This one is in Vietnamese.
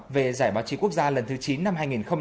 về giải báo chí quốc gia lần thứ chín năm hai nghìn một mươi bốn